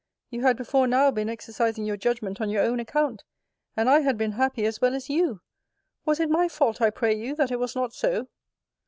You had before now been exercising your judgment on your own account: and I had been happy as well as you! Was it my fault, I pray you, that it was not so?